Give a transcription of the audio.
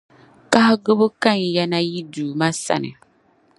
Kahigibu kan ya na yi Duuma sani.